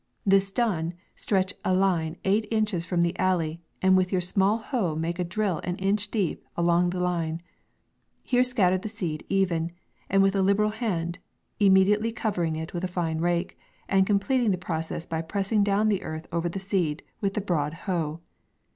This done, stretch a line eight inches from the alley, and with your small hoe make a drill an inch deep a long the line ; here scatter the seed even, and with a liberal hand, immediately cover ing it with a fine rake, and completing the process by pressing down the earth over the seed with the broad hoe.